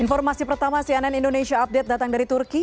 informasi pertama cnn indonesia update datang dari turki